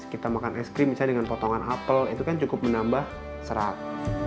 kita makan es krim misalnya dengan potongan apel itu kan cukup menambah serat